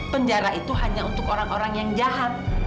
penjara itu hanya untuk orang orang yang jahat